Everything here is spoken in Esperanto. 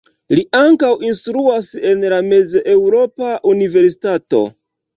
Li ankaŭ instruas en la Mez-Eŭropa Universitato.